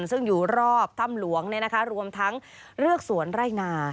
ซึ่งอยู่รอบถ้ำหลวงรวมทั้งเรือกสวนไร่นา